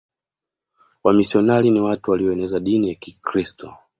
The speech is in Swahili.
Wamisionari ni watu walioeneza dini ya kikiristo